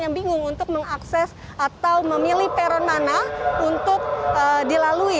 yang bingung untuk mengakses atau memilih peron mana untuk dilalui